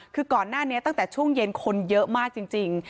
คือก่อนหน้านี้ตั้งแต่ช่วงเย็นคนเยอะมากจริง